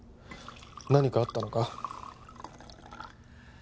何かあったのか？